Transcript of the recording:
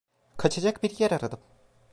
Kaçacak bir yer aradım.